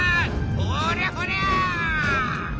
ほりゃほりゃ！